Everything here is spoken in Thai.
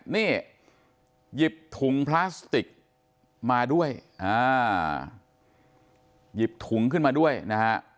นี่หยิบถุงพลาสติกมาด้วยอ่าหยิบถุงขึ้นมาด้วยนะฮะ